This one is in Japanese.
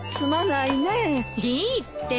いいって。